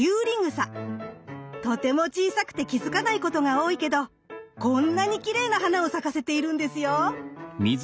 とても小さくて気付かないことが多いけどこんなにきれいな花を咲かせているんですよ。